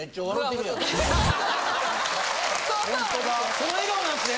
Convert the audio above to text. ・その笑顔なんですね？